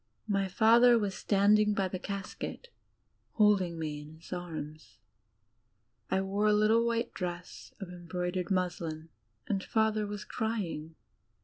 My father was standing by the casket holding me in his arms. I wore a litde white dress of embroidered muslin, and Father was crying.